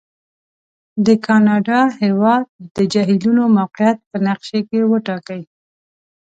د کاناډا د هېواد د جهیلونو موقعیت په نقشې کې وټاکئ.